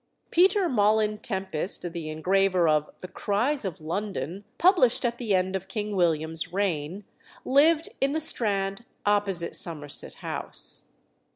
Peter Molyn Tempest, the engraver of "The Cries of London," published at the end of King William's reign, lived in the Strand opposite Somerset House.